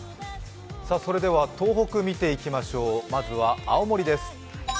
それでは東北見ていきましょう、まずは青森です。